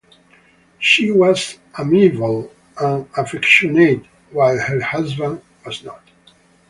She was amiable and affectionate, while her husband was not.